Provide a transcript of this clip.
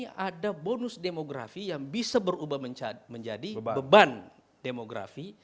artinya ada bonus demografi yang bisa berubah menjadi beban demografi